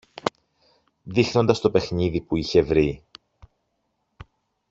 δείχνοντας το παιχνίδι που είχε βρει